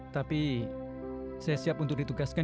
tapi saya siap untuk ditugaskan